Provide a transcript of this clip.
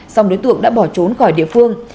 song đối tượng đã bỏ trốn khỏi địa phương